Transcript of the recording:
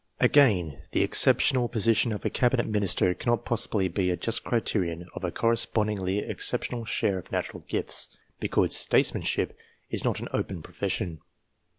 Again, the exceptional position of a Cabinet minister STATESMEN 99 cannot possibly be a just criterion of a correspondingly exceptional share of natural gifts, because statesmanship is not an open profession.